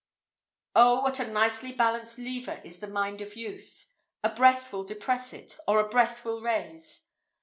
Oh what a nicely balanced lever is the mind of youth! a breath will depress it, or a breath will raise.